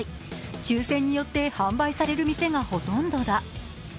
抽選によって販売される店がほとんどだ。